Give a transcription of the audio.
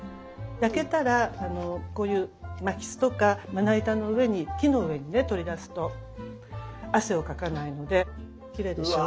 焼けたらこういう巻きすとかまな板の上に木の上にね取り出すと汗をかかないのできれいでしょ？